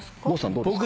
どうですか？